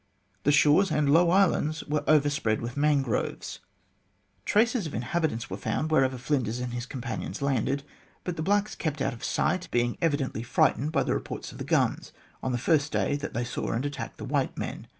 The shores and low islands were overspread with mangroves. Traces of inhabi tants were found wherever Flinders and his companions landed, but the blacks kept out of sight, being evidently frightened by the reports of the guns on the first day that they saw and attacked the white men.